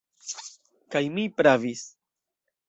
Kaj mi pravis.